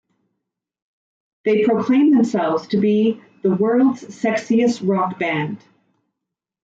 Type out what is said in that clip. They proclaim themselves to be "The World's Sexiest Rock Band".